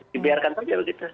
dibiarkan saja begitu